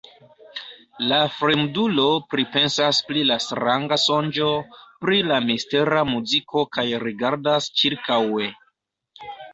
La fremdulo pripensas pri la stranga sonĝo, pri la mistera muziko kaj rigardas ĉirkaŭe.